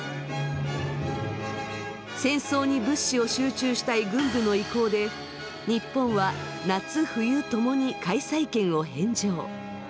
戦争に物資を集中したい軍部の意向で日本は夏冬ともに開催権を返上。